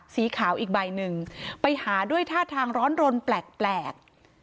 สีขาวอีกใบหนึ่งไปหาด้วยท่าทางร้อนรนแปลก